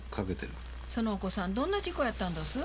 そのお子さんどんな事故やったんどす？